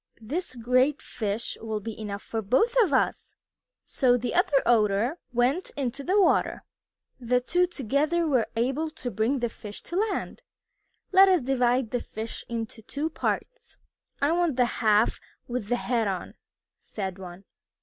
"This great fish will be enough for both of us!" So the other Otter went into the water. The two together were able to bring the fish to land. "Let us divide the fish into two parts." "I want the half with the head on," said one.